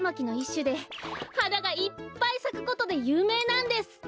しゅではながいっぱいさくことでゆうめいなんです。